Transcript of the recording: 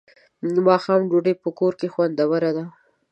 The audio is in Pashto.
ماښام ډوډۍ په کور کې خوندوره ده.